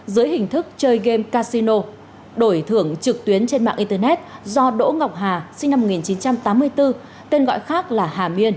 dưới hình thức chơi game casino đổi thưởng trực tuyến trên mạng internet do đỗ ngọc hà sinh năm một nghìn chín trăm tám mươi bốn